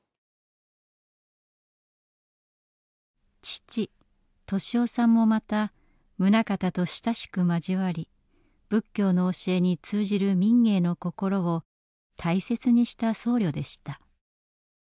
父利雄さんもまた棟方と親しく交わり仏教の教えに通じる民藝の心を大切にした僧侶でした。